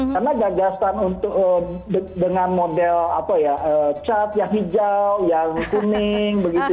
karena gagasan untuk dengan model apa ya cat yang hijau yang kuning begitu